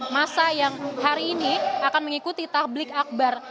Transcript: masa yang hari ini akan mengikuti tablik akbar